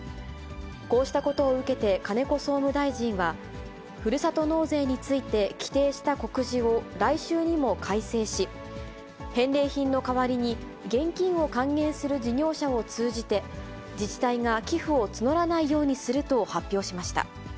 こうしたことを受けて、金子総務大臣は、ふるさと納税について規定した告示を来週にも改正し、返礼品の代わりに、現金を還元する事業を通じて、自治体が寄付を募らないようにすると発表しました。